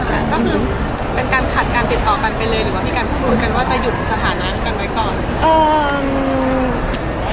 ก็คือเป็นการขัดการติดต่อกันไปเลยหรือว่ามีการพูดคุยกันว่าจะหยุดสถานะกันไว้ก่อน